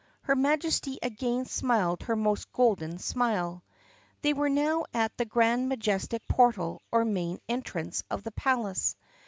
Her Majesty again smiled her most golden smile. They were now at the grand majestic portal or main en trance of the palace.